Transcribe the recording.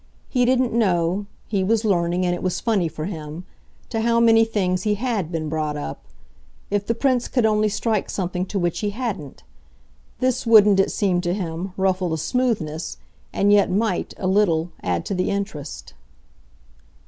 He didn't know he was learning, and it was funny for him to how many things he HAD been brought up. If the Prince could only strike something to which he hadn't! This wouldn't, it seemed to him, ruffle the smoothness, and yet MIGHT, a little, add to the interest.